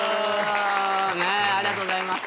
ありがとうございます。